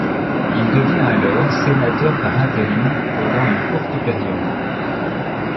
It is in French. Il devient alors sénateur par intérim pendant une courte période.